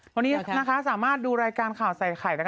วันนี้ค่ะสามารถดูรายการข่าวใส่ใคร